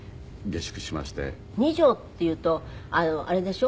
２畳っていうとあれでしょ？